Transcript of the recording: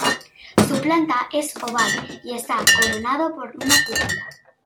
Su planta es oval y está coronado por una cúpula.